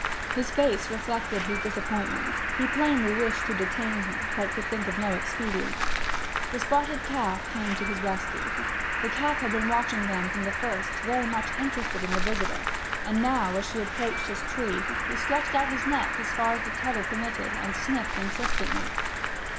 His face reflected his disappointment; he plainly wished to detain her, but could think of no expedient. The spotted calf came to his rescue. The calf had been watching them from the first, very much interested in the visitor; and now, as she approached his tree, he stretched out his neck as far as the tether permitted and sniffed insistently.